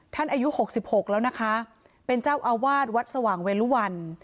อายุ๖๖แล้วนะคะเป็นเจ้าอาวาสวัดสว่างเวลุวัน